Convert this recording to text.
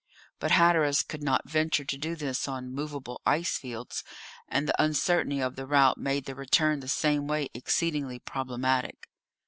But Hatteras could not venture to do this on moveable ice fields, and the uncertainty of the route made the return the same way exceedingly problematic.